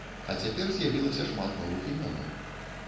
А цяпер з'явілася шмат новых імёнаў.